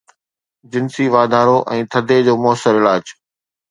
جنسي واڌارو ۽ ٿڌي جو مؤثر علاج